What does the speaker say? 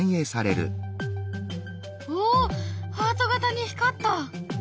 おっハート形に光った！